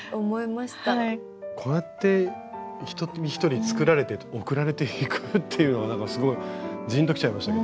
こうやって一人一人作られて送られていくっていうのがなんかすごいジンときちゃいましたけど。